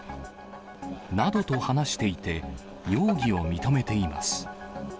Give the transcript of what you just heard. などと話していて、容疑を認めています。